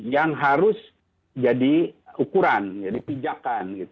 yang harus jadi ukuran jadi pijakan